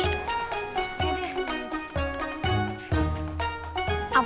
aduh aku nyari nyari